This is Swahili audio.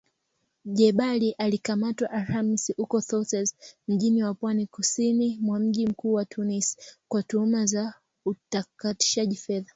Jebali alikamatwa Alhamis huko Sousse mji wa pwani kusini wa mji mkuu wa Tunis kwa tuhuma za utakatishaji fedha.